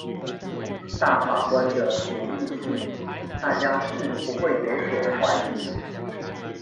大法官的獨立性大家是不會有所懷疑